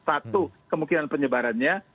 satu kemungkinan penyebarannya